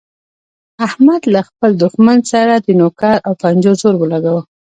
احمد له خپل دوښمن سره د نوکو او پنجو زور ولګاوو.